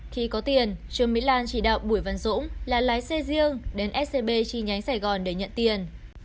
khi có tiền trương mỹ lan chỉ đạo bùi văn dũng là lái xe riêng đến scb chi nhánh sài gòn để nhận tiền